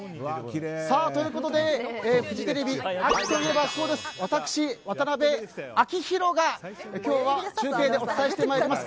ということでフジテレビ、秋といえばそうです、私、渡辺アキ洋が今日は中継でお伝えしたいと思います。